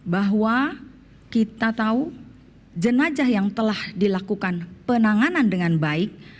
bahwa kita tahu jenajah yang telah dilakukan penanganan dengan baik